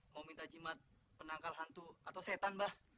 mau minta jimat penangkal hantu atau setan bah